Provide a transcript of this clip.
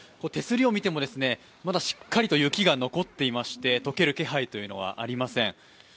手すりを見てもまだしっかりと雪が残っていまして解ける気配はありません。